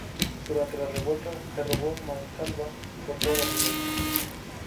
Durante la revuelta, se robó a mansalva por toda la ciudad